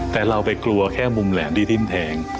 แต่เราไปกลัวแค่มุมแหลมที่ดินแทง